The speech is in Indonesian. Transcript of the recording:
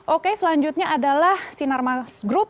oke selanjutnya adalah sinar mas group